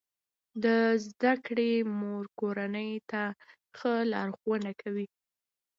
د زده کړې مور کورنۍ ته ښه لارښوونه کوي.